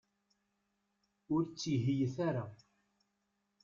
Ur ttihiyet ara.